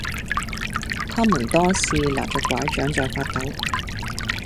她們多是拿著柺杖在發抖